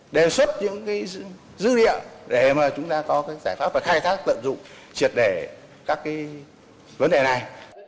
đề xuất những dữ liệu để chúng ta có giải pháp và khai thác tận dụng triệt để các vấn đề này